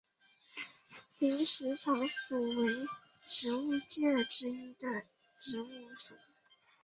林石草属为植物界之一植物属。